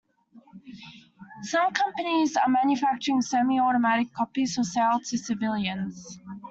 Some companies are manufacturing semi-automatic copies for sale to civilians.